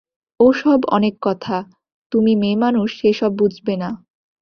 ও-সব অনেক কথা, তুমি মেয়েমানুষ সে-সব বুঝবে না।